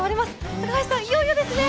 高橋さん、いよいよですね。